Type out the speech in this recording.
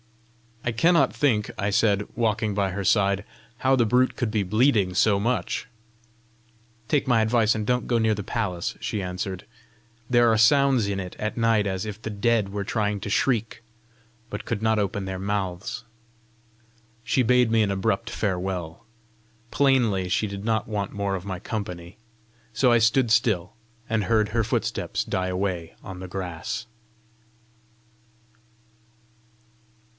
"I cannot think," I said, walking by her side, "how the brute could be bleeding so much!" "Take my advice, and don't go near the palace," she answered. "There are sounds in it at night as if the dead were trying to shriek, but could not open their mouths!" She bade me an abrupt farewell. Plainly she did not want more of my company; so I stood still, and heard her footsteps die away on the grass.